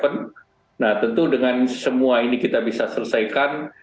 nah tentu dengan semua ini kita bisa selesaikan